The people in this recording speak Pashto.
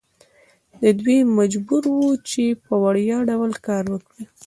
دوی مجبور وو چې په وړیا ډول کار وکړي.